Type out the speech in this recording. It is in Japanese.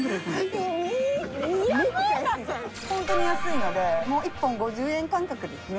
ほんとに安いのでもう１本５０円感覚ですね。